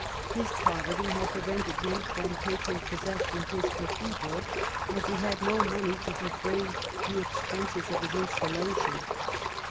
His poverty had pre vented him from taking possession of his cathedral, as . he had no money to defray the expenses of his installa tion.